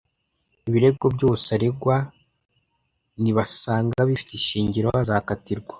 Ibirego byose aregwa nibasanga bifite ishingiro azakatirwa